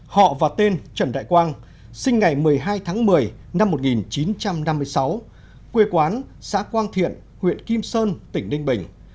họ và tên trần đại quang sinh ngày một mươi hai tháng một mươi năm một nghìn chín trăm năm mươi sáu quê quán xã quang thiện huyện kim sơn tỉnh ninh bình